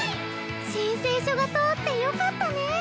申請書が通ってよかったねえ。